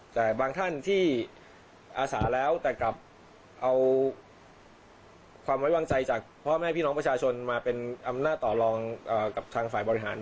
แต่บางท่านที่อาสาแล้วแต่กลับเอาความไว้วางใจจากพ่อแม่พี่น้องประชาชนมาเป็นอำนาจต่อรองกับทางฝ่ายบริหาร